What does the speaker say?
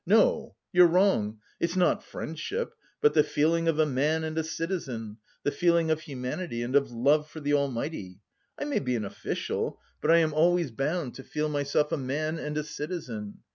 No, you're wrong! It's not friendship, but the feeling of a man and a citizen, the feeling of humanity and of love for the Almighty. I may be an official, but I am always bound to feel myself a man and a citizen....